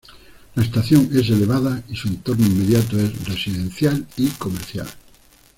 La estación es elevada y su entorno inmediato es residencial y comercial.